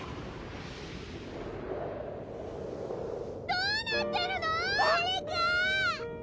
どうなってるの⁉誰か！